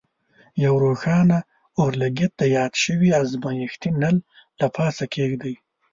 یو روښانه اورلګیت د یاد شوي ازمیښتي نل له پاسه کیږدئ.